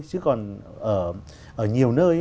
chứ còn ở nhiều nơi